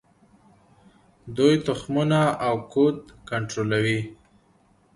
دوی تخمونه او کود کنټرولوي.